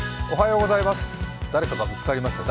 おはようございます。